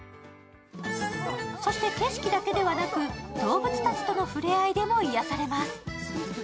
そして景色だけではなく、動物たちとの触れ合いでも癒やされます。